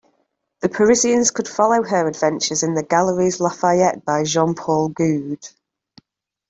The Parisians could follow her Adventures in the Galeries Lafayette by Jean-Paul Goude.